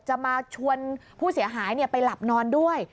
จะมาชวนผู้เสียหายไปหลับนอนด้วย